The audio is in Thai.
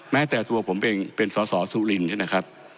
แม้แต่ตัวผมเองเป็นสอสอสุรินเนี่ยนะครับ